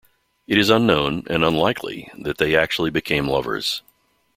It is unknown, and unlikely, that they actually became lovers.